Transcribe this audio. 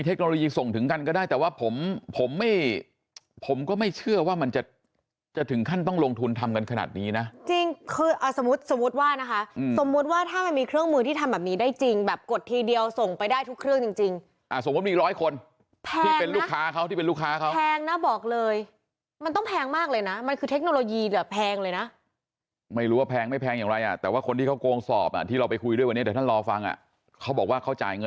เทคโนโลยีส่งถึงกันก็ได้แต่ว่าผมผมไม่ผมก็ไม่เชื่อว่ามันจะจะถึงขั้นต้องลงทุนทำกันขนาดนี้น่ะจริงคืออ่าสมมุติสมมุติว่านะคะอืมสมมุติว่าถ้ามันมีเครื่องมือที่ทำแบบนี้ได้จริงแบบกดทีเดียวส่งไปได้ทุกเครื่องจริงจริงอ่าสมมุติร้อยคนแพงนะที่เป็นลูกค้าเขาที่เป็นลูกค้าเขาแ